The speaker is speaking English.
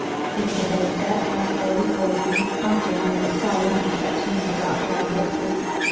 "Is the day set?" asked Lorry, bravely, after a moments silent inspection of the dark browed victors.